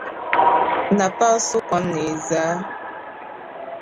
Napari su kom neei zaa